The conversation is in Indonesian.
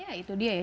ya itu dia ya